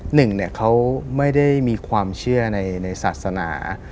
หนึ่งเขาไม่ได้มีความเชื่อในศาสนา